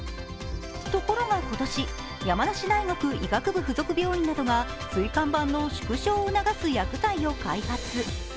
ところが今年、山梨大学医学部付属病院などが椎間板の縮小を促す薬剤を開発。